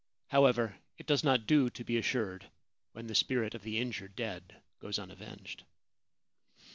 However, it does not do to be assured while the spirit of the injured dead goes unavenged.